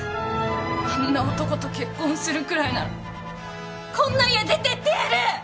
あんな男と結婚するくらいならこんな家出てってやる！